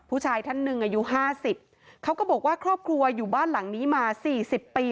ผู้ชายท่านหนึ่งอายุห้าสิบเขาก็บอกว่าครอบครัวอยู่บ้านหลังนี้มาสี่สิบปี